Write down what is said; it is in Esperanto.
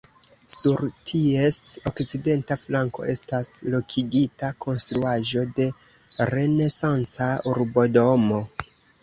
Sur ties okcidenta flanko estas lokigita konstruaĵo de renesanca urbodomo.